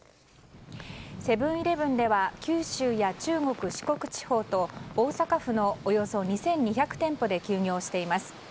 セブン‐イレブンでは九州や中国・四国地方と大阪府のおよそ２２００店舗で休業しています。